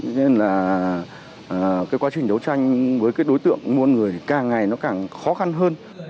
nên là cái quá trình đấu tranh với cái đối tượng mua bán người càng ngày nó càng khó khăn hơn